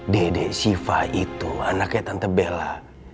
dede siva itu anaknya tante bela